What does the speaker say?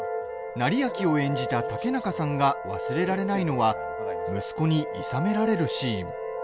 斉昭を演じた竹中さんが忘れられないのは息子に、いさめられるシーン。